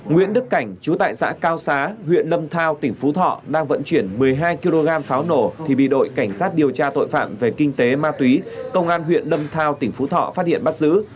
nguyễn đức cảnh chú tại xã cao xá huyện lâm thao tỉnh phú thọ đang vận chuyển một mươi hai kg pháo nổ thì bị đội cảnh sát điều tra tội phạm về kinh tế ma túy công an huyện đâm thao tỉnh phú thọ phát hiện bắt giữ